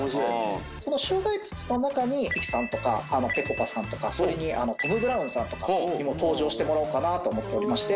その障害物の中に関さんとかぺこぱさんとかそれにトム・ブラウンさんとかにも登場してもらおうかなと思っておりまして。